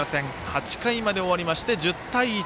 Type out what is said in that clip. ８回まで終わりまして、１０対１。